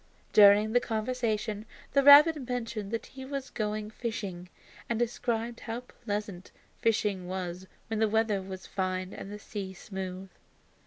During the conversation the rabbit mentioned that he was going fishing, and described how pleasant fishing was when the weather was fine and the sea smooth.